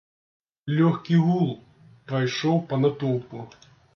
Лёгкі гул прайшоў па натоўпу.